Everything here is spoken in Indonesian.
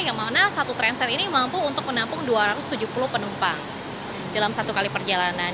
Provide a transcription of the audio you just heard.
yang mana satu transit ini mampu untuk menampung dua ratus tujuh puluh penumpang dalam satu kali perjalanan